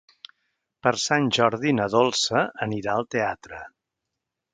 Per Sant Jordi na Dolça anirà al teatre.